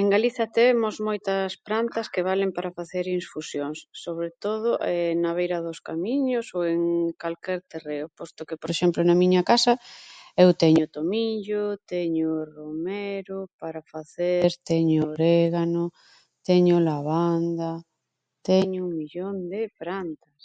En Galiza temos moitas prantas que valen para facer infusións, sobre todo, na beira dos camiños ou en calquer terreo, posto que, por exemplo, na miña casa, eu teño tomillo, teño romero para facer, teño orégano, teño lavanda, teño millón de prantas.